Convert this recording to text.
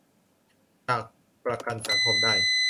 จากประกันสังคมได้